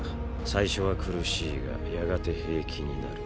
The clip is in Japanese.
最初は苦しいがやがて平気になる。